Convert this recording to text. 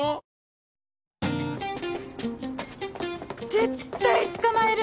絶対捕まえる！